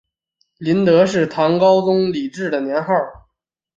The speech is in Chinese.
麟德是唐高宗李治的年号。